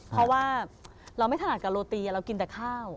เพราะว่าเราไม่ถนัดกับโรตีเรากินแต่ข้าว